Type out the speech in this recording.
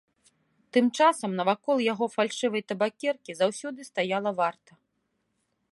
Тым часам навакол яго фальшывай табакеркі заўсёды стаяла варта.